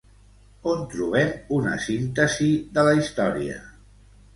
On trobem una síntesi de la història?